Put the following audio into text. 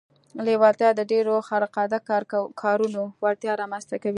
لېوالتیا د ډېرو خارق العاده کارونو وړتیا رامنځته کوي